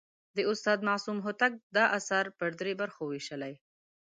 د استاد معصوم هوتک دا اثر پر درې برخو ویشلی.